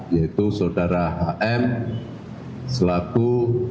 yaitu saudara hm selaku